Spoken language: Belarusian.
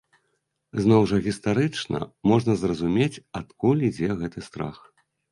Зноў жа гістарычна можна зразумець, адкуль ідзе гэты страх.